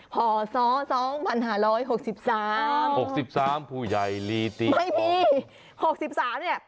ห่อสอสองพันห้าร้อยหกสิบสามหกสิบสามผู้ใหญ่ลีตีกองไม่มีหกสิบสามเนี่ย